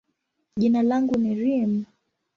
jina langu ni Reem.